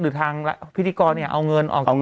หรือทางพิธีกรเอาเงินออกกับกรอง